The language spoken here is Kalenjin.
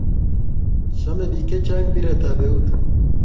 chame pik che chang mpiret ab eut